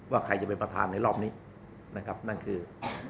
ใครจะเป็นประธานในรอบนี้นะครับนั่นคือ